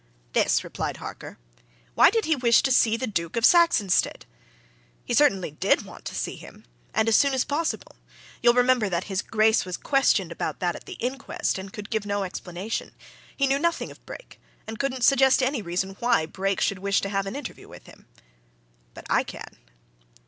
"This," replied Harker. "Why did he wish to see the Duke of Saxonsteade? He certainly did want to see him and as soon as possible. You'll remember that his Grace was questioned about that at the inquest and could give no explanation he knew nothing of Brake, and couldn't suggest any reason why Brake should wish to have an interview with him. But I can!"